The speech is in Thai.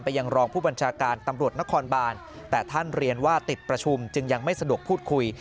ยังรองผู้บัญชาการตำรวจนครบานแต่ท่านเรียนว่าติดประชุมจึงยังไม่สะดวกพูดคุย